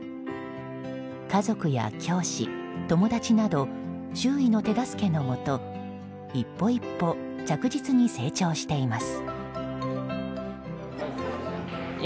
家族や教師、友達など周囲の手助けのもと一歩一歩、着実に成長しています。